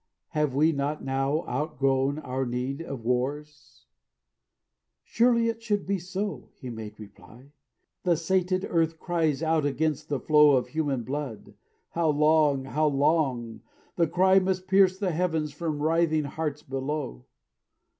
Have we not now outgrown our need of wars? "Surely it should be so," he made reply; "The sated earth cries out against the flow Of human blood: 'How long? how long?' The cry Must pierce the heavens from writhing hearts below.